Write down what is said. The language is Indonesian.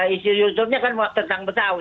isi youtubenya juga tentang betawi